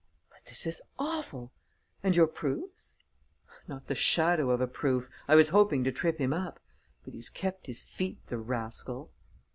"But this is awful! And your proofs?" "Not the shadow of a proof ... I was hoping to trip him up. But he's kept his feet, the rascal!"